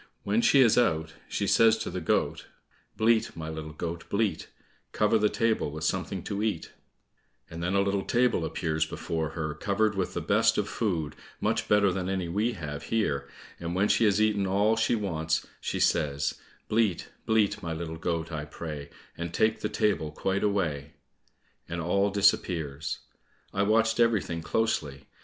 When she is out, she says to the goat, "Bleat, my little goat, bleat, Cover the table with something to eat," and then a little table appears before her covered with the best of food, much better than any we have here, and when she has eaten all she wants, she says, "Bleat, bleat, my little goat, I pray, And take the table quite away," and all disappears. I watched everything closely.